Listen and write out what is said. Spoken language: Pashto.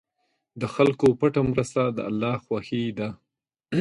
د خلکو پټه مرسته د الله خوښي ده.